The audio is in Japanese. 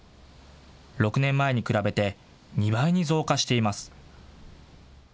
６年前に比べて２倍に増加しています。